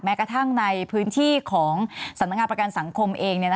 กระทั่งในพื้นที่ของสำนักงานประกันสังคมเอง